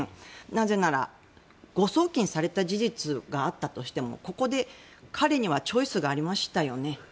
なぜなら、誤送金された事実があったとしてもここで彼にはチョイスがありましたよね。